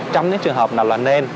trong những trường hợp nào là nên